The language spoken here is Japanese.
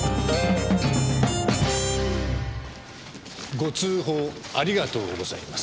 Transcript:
ご通報ありがとうございます。